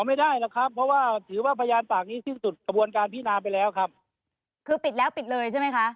ไม่ได้หรอกครับเพราะว่าถือว่าพยานปากนี้สิ้นสุดกระบวนการพินาไปแล้วครับคือปิดแล้วปิดเลยใช่ไหมคะ